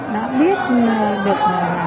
đã biết được